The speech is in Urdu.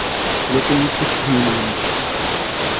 لیکن کچھ بھی نہیں۔